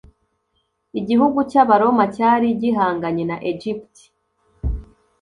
igihugu cy'abaroma cyari gihanganye na Egypte